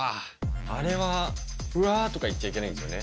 あれは、うわーとか言っちゃだめなんですよね。